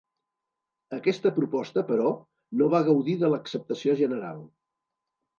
Aquesta proposta, però, no va gaudir de l'acceptació general.